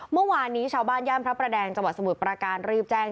เมื่อวานนี้ชาวบ้านย่านพระประแดงจังหวัดสมุทรประการรีบแจ้ง